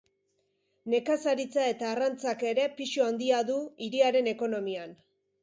Nekazaritza eta arrantzak ere pisu handia du hiriaren ekonomian.